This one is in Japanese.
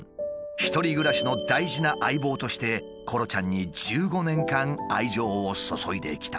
１人暮らしの大事な相棒としてコロちゃんに１５年間愛情を注いできた。